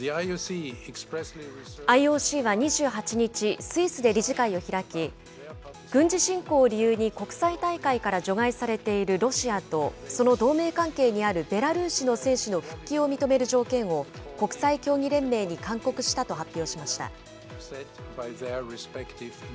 ＩＯＣは２８日、スイスで理事会を開き、軍事侵攻を理由に国際大会から除外されている、ロシアとその同盟関係にあるベラルーシの選手の復帰を認める条件を、国際競技連盟に勧告したと発表しました。